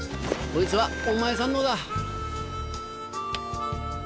こいつはお前さんのだ。